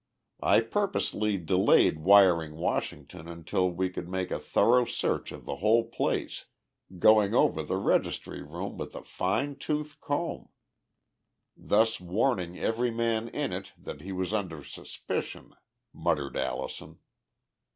I purposely delayed wiring Washington until we could make a thorough search of the whole place, going over the registry room with a fine tooth comb " "Thus warning every man in it that he was under suspicion," muttered Allison.